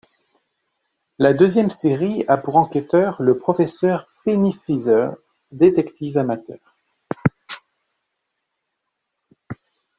La deuxième série a pour enquêteur le professeur Pennyfeather, détective amateur.